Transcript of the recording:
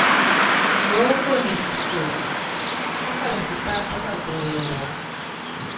Koókone nyi kuso, pákaluŋɔ tipá pátala kuɔyɔ wu.